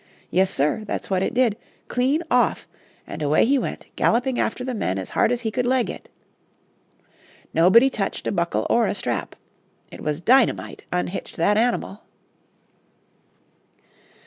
Yes, sir; that's what it did clean off; and away he went galloping after the men as hard as he could leg it. Nobody touched a buckle or a strap. It was dynamite unhitched that animal."